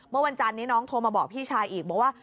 เมื่อวันจันนี้น้องโทรมาบอกพี่ชายอีกบอกว่า